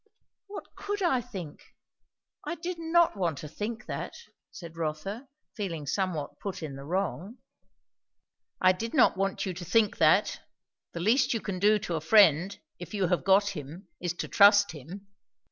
"What could I think? I did not want to think that," said Rotha, feeling somewhat put in the wrong. "I did not want you to think that. The least you can do to a friend, if you have got him, is to trust him."